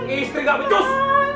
istri gak becus